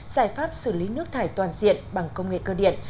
giải pháp xử lý nước thải toàn diện bằng công nghệ cơ điện